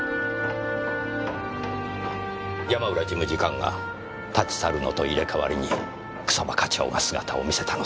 山浦事務次官が立ち去るのと入れ替わりに草葉課長が姿を見せたのでしょう。